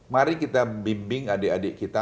mari kita bimbing adik adik kita